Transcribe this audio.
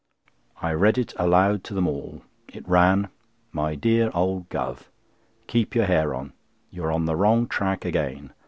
I read it aloud to them all. It ran: "My dear old Guv.,—Keep your hair on. You are on the wrong tack again.